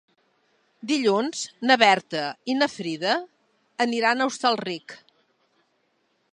Dilluns na Berta i na Frida aniran a Hostalric.